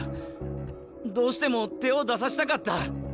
どうしても手を出させたかった。